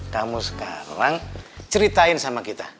kamu sekarang ceritain sama kita